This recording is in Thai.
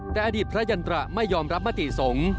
แต่อดีตพระยันตระไม่ยอมรับมติสงฆ์